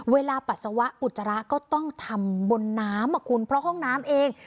ปัสสาวะอุจจาระก็ต้องทำบนน้ำอ่ะคุณเพราะห้องน้ำเอง